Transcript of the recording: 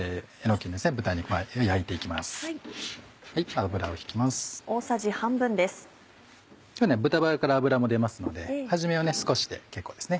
今日は豚バラから脂も出ますので始めは少しで結構ですね。